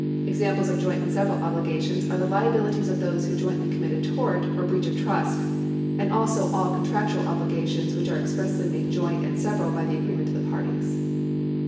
Examples of joint and several obligations are the liabilities of those who jointly commit a tort or breach of trust, and also all contractual obligations which are expressly made joint and several by the agreement of the parties.